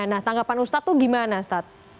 nah tanggapan ustadz tuh gimana ustadz